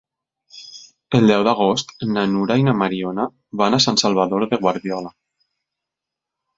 El deu d'agost na Nura i na Mariona van a Sant Salvador de Guardiola.